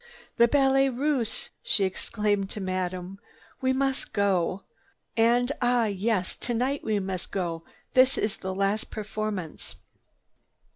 "The Ballet Russe!" she exclaimed to Madame. "We must go. And ah yes, tonight we must go! This is the last performance."